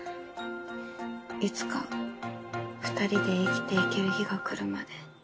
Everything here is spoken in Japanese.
いつか２人で生きていける日がくるまで。